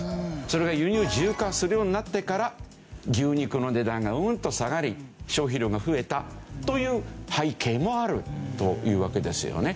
それが輸入自由化するようになってから牛肉の値段がうんと下がり消費量が増えたという背景もあるというわけですよね。